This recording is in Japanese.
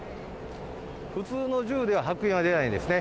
普通の銃では白煙は出ないですね。